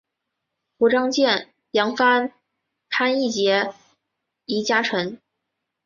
胡璋剑杨帆潘羿捷移佳辰